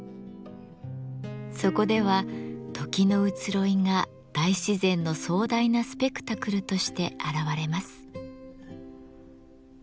そこでは時の移ろいが大自然の壮大なスペクタクルとして現れます。